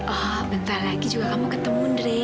oh bentar lagi juga kamu ketemu ndre